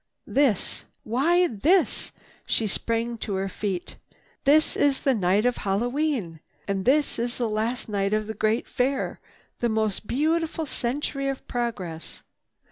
This, why this!" She sprang to her feet. "This is the night of Hallowe'en! And this is the last night of the Great Fair, that most beautiful Century of Progress.